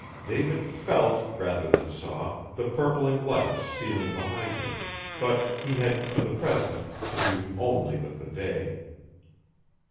David felt, rather than saw, the purpling light stealing behind him, but he had, for the present, to do only with the day.